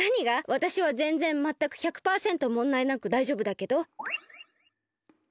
わたしはぜんぜんまったく１００パーセントもんだいなくだいじょうぶだけど。